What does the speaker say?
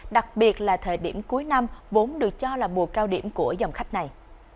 đặc biệt là thời điểm cuối năm vốn được cho là mùa cao điểm của dòng khách này